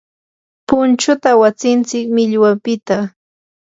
punchuta awantsik millwapiqta.